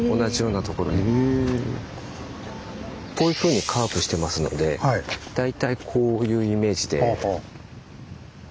こういうふうにカーブしてますので大体こういうイメージで。